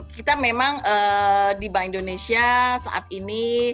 kita memang di bank indonesia saat ini